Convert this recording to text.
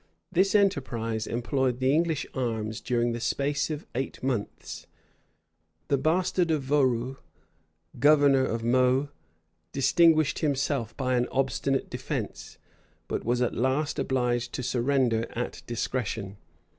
This enterprise employed the English arms during the space of eight months: the bastard of Vaurus, governor of Meaux, distinguished himself by an obstinate defence; but was at last obliged to surrender at discretion.